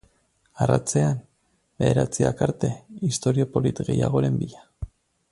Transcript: Arratsean, bederatziak arte, istorio polit gehiagoren bila.